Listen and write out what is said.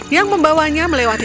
yang membawanya melewati